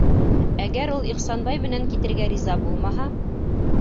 Әгәр ул Ихсанбай менән китергә риза булмаһа?